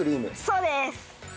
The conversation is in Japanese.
そうです。